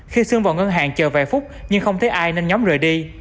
khi sương vào ngân hàng chờ vài phút nhưng không thấy ai nên nhóm rời đi